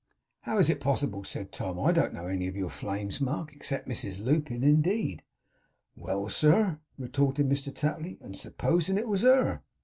'How is it possible?' said Tom. 'I don't know any of your flames, Mark. Except Mrs Lupin, indeed.' 'Well, sir!' retorted Mr Tapley. 'And supposing it was her!